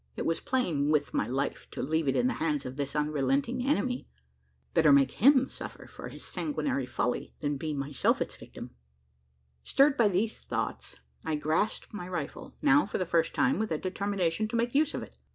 It was playing with my life, to leave it in the hands of this unrelenting enemy. Better make him suffer for his sanguinary folly, than be myself its victim. Stirred by these thoughts, I grasped my rifle now for the first time with a determination to make use of it.